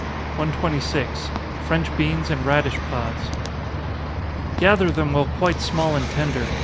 126. French Beans and Radish Pods. Gather them while quite small and tender.